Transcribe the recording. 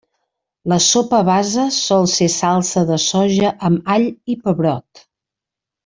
La sopa base sol ser salsa de soja amb all i pebrot.